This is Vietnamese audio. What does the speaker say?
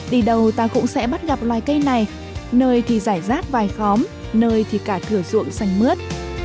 đi đâu ta cũng sẽ bắt gặp loài cây này nơi thì giải rác vài khóm nơi thì cả thửa ruộng xanh mướt